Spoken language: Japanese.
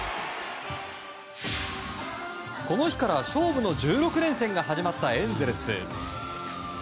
この日から勝負の１６連戦が始まったエンゼルス。